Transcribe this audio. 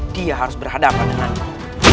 dia harus berhadapan denganku